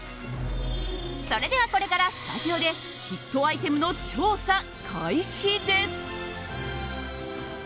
それではこれからスタジオでヒットアイテムの調査開始です！